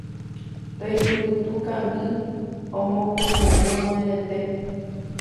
Pe yvytu kangy omokunu'ũva nde rete